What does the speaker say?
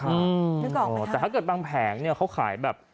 นึกออกแต่ถ้าเกิดบางแผงเนี่ยเขาขายแบบ